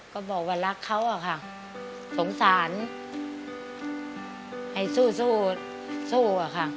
ก็บอกว่ารักเขาอะค่ะสงสารให้สู้สู้อะค่ะ